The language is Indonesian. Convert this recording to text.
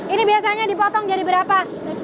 ini biasanya dipotong jadi berapa